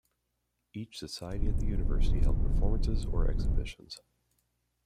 Each society at the university held performances or exhibitions.